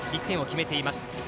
１点を決めています。